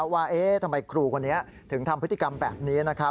ว่าทำไมครูคนนี้ถึงทำพฤติกรรมแบบนี้